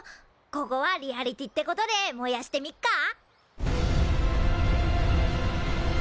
ここはリアリティーってことで燃やしてみっか？